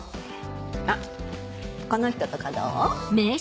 あっこの人とかどう？